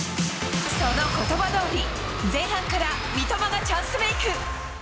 そのことばどおり、前半から三笘がチャンスメーク。